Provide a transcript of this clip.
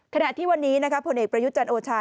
ขณะที่วันนี้ผลเอกประยุจันทร์โอชา